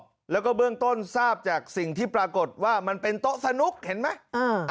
ตอนการตรวจสอบแล้วก็เบื้องต้นทราบจากสิ่งที่ปรากฏว่ามันเป็นโต๊ะสนุกเห็นไหม